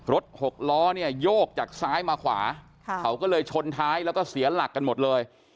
หกล้อเนี่ยโยกจากซ้ายมาขวาเขาก็เลยชนท้ายแล้วก็เสียหลักกันหมดเลย